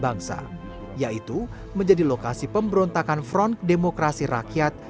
ada yang pakai kaos atau silet gitu